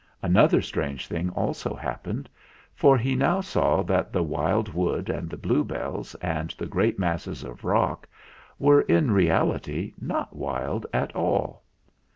Another strange thing also happened, for he now saw that the wild wood and the bluebells and the great masses of rock were in reality not wild at all.